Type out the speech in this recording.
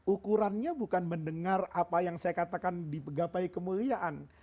ukurannya bukan mendengar apa yang saya katakan di gapai kemuliaan